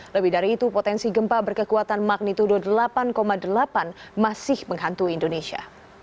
lebih dari itu potensi gempa berkekuatan magnitudo delapan delapan masih menghantui indonesia